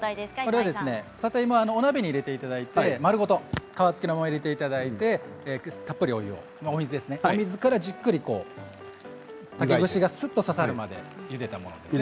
里芋をお鍋に入れていただいて丸ごと皮付きのまま入れていただいてたっぷりお湯をお水からじっくり竹串がすっと刺さるまでゆでたものです。